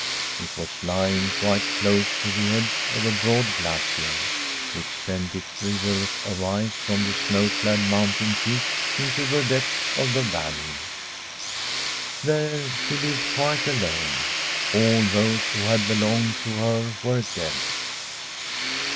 It was lying quite close to the edge of a broad glacier, which sent its river of ice from the snow clad mountain peak into the depths of the valley. There she lived quite alone. All those who had belonged to her were dead.